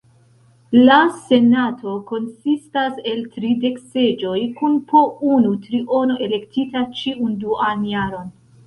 La Senato konsistas el tridek seĝoj, kun po unu triono elektita ĉiun duan jaron.